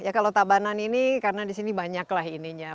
ya kalau tabanan ini karena di sini banyak lah ininya